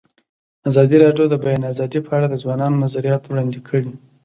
ازادي راډیو د د بیان آزادي په اړه د ځوانانو نظریات وړاندې کړي.